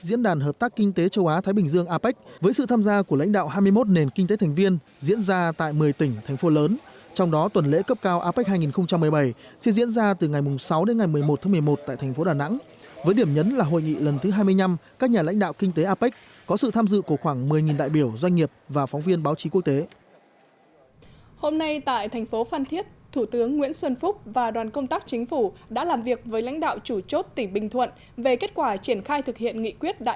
sáng nay ngày một mươi tám tháng bốn tại thành phố đà nẵng chủ tịch nước trần đại quang đã nhấn nút khởi động đồng hồ đếm ngược chào mừng tuần lễ cấp cao apec hai nghìn một mươi bảy do ủy ban quốc gia apec hai nghìn một mươi bảy do ủy ban quốc gia apec